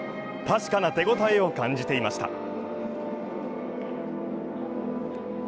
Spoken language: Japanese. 確かな手応えを感じていました。